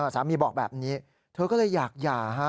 สามีบอกแบบนี้เธอก็เลยอยากหย่าฮะ